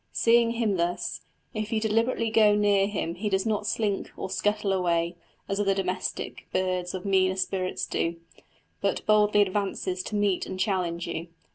Seeing him thus, if you deliberately go near him he does not slink or scuttle away, as other domestic birds of meaner spirits do, but boldly advances to meet and challenge you.